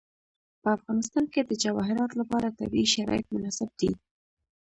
په افغانستان کې د جواهرات لپاره طبیعي شرایط مناسب دي.